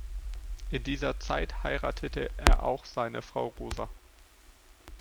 In dieser Zeit heiratete er auch seine Frau Rosa.